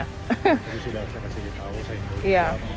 gue sudah kasih tau saya ingin tahu